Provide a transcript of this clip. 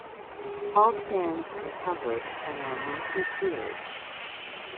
All stands are covered and are multi-tiered.